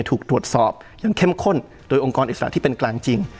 ถูกตรวจสอบอย่างเข้มข้นโดยองค์กรอิสระที่เป็นกลางจริง